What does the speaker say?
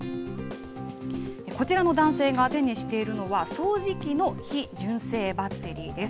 こちらの男性が手にしているのは、掃除機の非純正バッテリーです。